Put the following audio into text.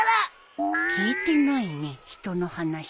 聞いてないね人の話。